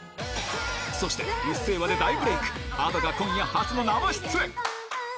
そして『うっせぇわ』で大ブレイク、Ａｄｏが今夜初の生出演。